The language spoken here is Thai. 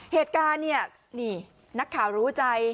เหตุการณ์นี้นินักขาวรู้ใจ